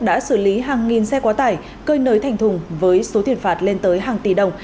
đã xử lý hàng nghìn xe quá tải cơi nới thành thùng với số tiền phạt lên tới hàng tỷ đồng